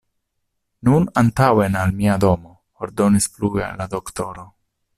Nun antaŭen al mia domo, ordonis plue la doktoro.